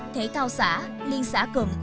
thể thao xã liên xã cụm